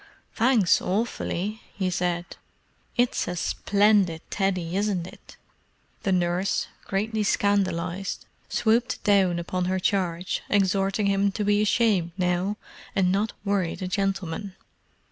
"Thanks, awfully," he said. "It's a splendid Teddy, isn't it?" The nurse, greatly scandalized, swooped down upon her charge, exhorting him to be ashamed, now, and not worry the gentleman.